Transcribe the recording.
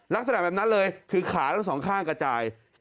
ลักษณะแบบนั้นเลยถือขาทั้งสองข้างกระจาย